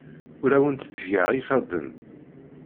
Ur awent-ttgeɣ ifadden.